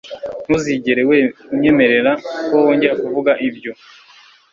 Ntuzigere unyemerera ko wongera kuvuga ibyo